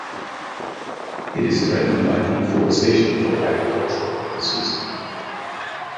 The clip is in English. It is threatened by deforestation for agricultural purposes.